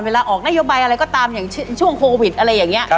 เวลาออกนโยบายอะไรก็ตามอย่างช่วงโควิดอะไรอย่างนี้